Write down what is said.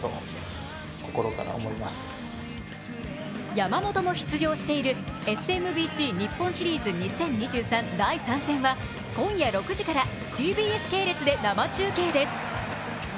山本も出場しているＳＭＢＣ日本シリーズ２０２３第３戦は今夜６時からＴＢＳ系列で生中継です。